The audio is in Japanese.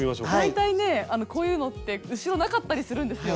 大体ねあのこういうのって後ろなかったりするんですよ。